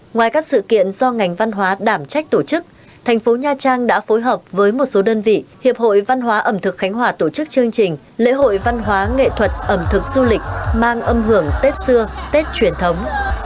ngoài các sự kiện do ngành văn hóa đảm trách tổ chức thành phố nha trang đã phối hợp với một số đơn vị hiệp hội văn hóa ẩm thực khánh hòa tổ chức chương trình lễ hội văn hóa nghệ thuật ẩm thực du lịch mang âm hưởng tết xưa tết truyền thống